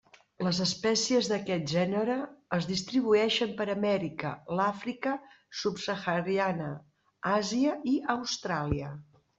Les espècies d'aquest gènere es distribueixen per Amèrica, l'Àfrica subsahariana, Àsia i Austràlia.